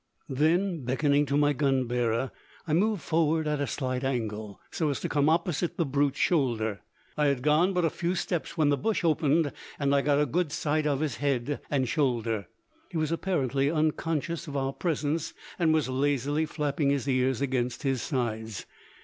Then beckoning my gun bearer, I moved forward at a slight angle, so as to come opposite the brute's shoulder. I had gone but a few steps when the bush opened and I got a good sight of his head and shoulder. He was apparently unconscious of our presence and was lazily flapping his ears against his sides.